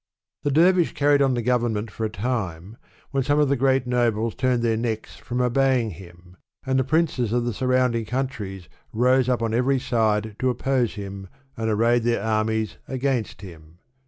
The dervish carried on the govern ment for a time, when some of the great nobles turned their necks from obeying him, and the princes of the surrounding countries rose up on every side to oppose him, and arrayed their armies against him.